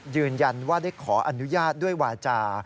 ยืนยันว่าได้ขออนุญาตด้วยวาจา